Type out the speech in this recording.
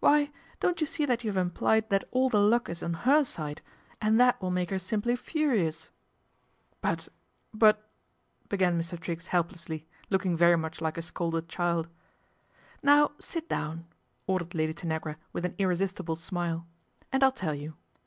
"Why, don't you see that you have implied that all the luck is on her side, and that will make her simply furious ?"" But but " began Mr. Triggs helplessly, looking very much like a scolded child. "Now sit down," ordered Lady Tanagra with an irresistible smile, " and I'll tell you.